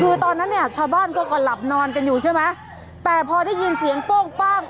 คือตอนนั้นเนี่ยชาวบ้านก็ก็หลับนอนกันอยู่ใช่ไหมแต่พอได้ยินเสียงโป้งปั้ง